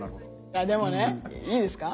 いやでもねいいですか？